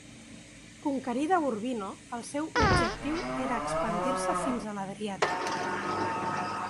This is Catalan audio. Conquerida Urbino, el seu objectiu era expandir-se fins a l'Adriàtic.